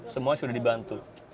semua sudah dibantu